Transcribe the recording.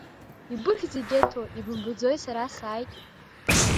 Ибыхьзеи, Қьеҭо, ибымбаӡои сара сааит.